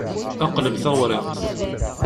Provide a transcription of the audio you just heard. Qleb tawṛiqt.